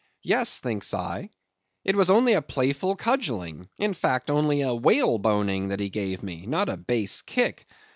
Yes,' thinks I, 'it was only a playful cudgelling—in fact, only a whaleboning that he gave me—not a base kick.